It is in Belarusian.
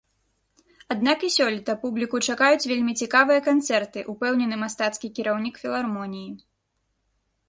Аднак і сёлета публіку чакаюць вельмі цікавыя канцэрты, упэўнены мастацкі кіраўнік філармоніі.